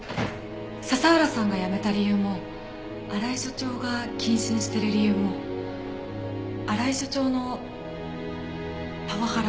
佐々浦さんが辞めた理由も新井所長が謹慎してる理由も新井所長のパワハラです。